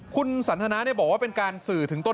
คุณสันทนาบอกว่าเป็นการสื่อถึงตน